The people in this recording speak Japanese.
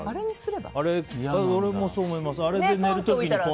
俺もそう思います。